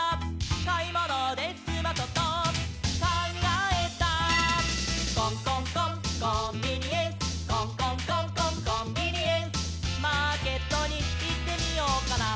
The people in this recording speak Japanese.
「かいものですまそとかんがえた」「コンコンコンコンビニエンス」「コンコンコンコンコンビニエンス」「マーケットにいってみようかな」